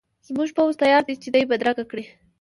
زموږ پوځ تیار دی چې دی بدرګه کړي.